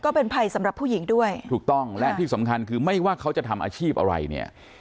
ภัยสำหรับผู้หญิงด้วยถูกต้องและที่สำคัญคือไม่ว่าเขาจะทำอาชีพอะไรเนี่ย